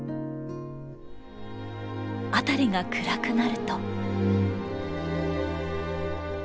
辺りが暗くなると。